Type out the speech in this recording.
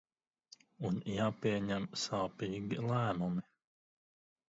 Un jāpieņem sāpīgi lēmumi.